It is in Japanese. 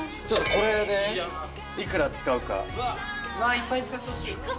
いっぱい使ってほしい。